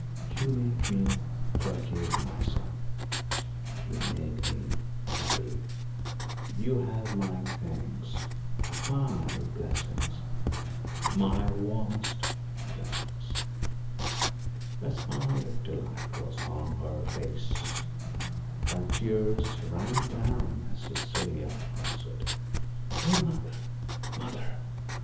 You make me forgive myself, you make me happy, you have my thanks my blessing my warmest blessing!" A smile of delight was on her pale face, and tears ran down as Cecilia answered "Oh, mother, mother!